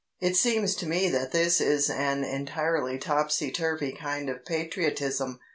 It seems to me that this is an entirely topsy turvy kind of patriotism.